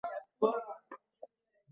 তুমি তোমার সময় নষ্ট করছ।